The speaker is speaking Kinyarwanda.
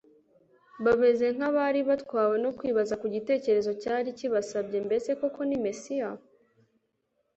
bameze nk'abari batwawe no kwibaza ku gitekerezo cyari kibasabye: "Mbese koko ni Mesiya?"